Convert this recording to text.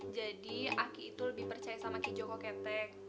jadi aki itu lebih percaya sama ki joko ketek